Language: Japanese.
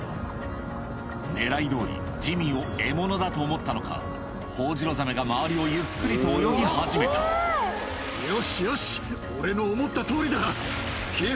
狙いどおりジミーを獲物だと思ったのかホホジロザメが周りをゆっくりと泳ぎ始めたよしよし。